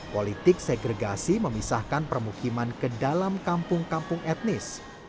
politik segregasi memisahkan permukiman ke dalam kampung kampung etnis